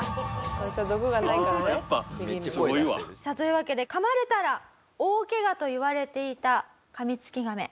「こいつは毒がないからね」というわけで噛まれたら大ケガといわれていたカミツキガメ。